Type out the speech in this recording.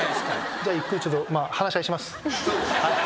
じゃあゆっくりちょっと話し合いします。